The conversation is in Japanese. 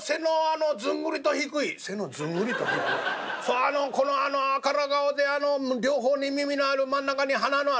あのこのあの赤ら顔であの両方に耳のある真ん中に鼻のある」。